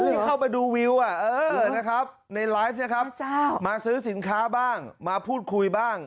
เป็นแสนคนเข้ามาดูวิวในไลฟ์นี้ครับมาซื้อสินค้าบ้างมาพูดคุยบ้าง